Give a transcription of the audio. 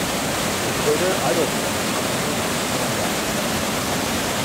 The crater Idelson on the Moon is named after him.